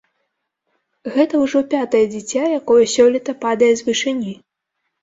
Гэта ўжо пятае дзіця, якое сёлета падае з вышыні.